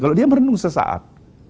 kalau dia merenung sesaat